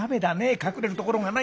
隠れるところがない。